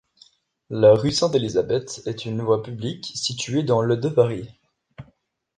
La rue Sainte-Élisabeth est une voie publique située dans le de Paris.